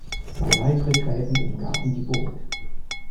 Zwei weitere Gräben umgaben die Burg.